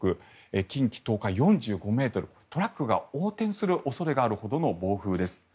近畿、東海４５ｍトラックが横転する恐れがあるほどの暴風です。